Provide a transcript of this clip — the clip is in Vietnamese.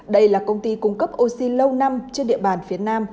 đây là công ty cung cấp oxy lâu năm trên địa bàn phía nam